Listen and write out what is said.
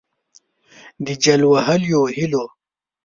د جل وهلیو هِیلو